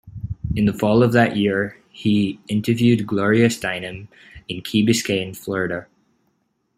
In the fall of that year he interviewed Gloria Steinem in Key Biscayne Florida.